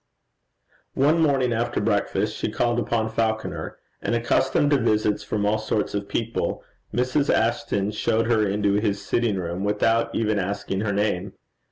One morning after breakfast she called upon Falconer; and accustomed to visits from all sorts of people, Mrs. Ashton showed her into his sitting room without even asking her name.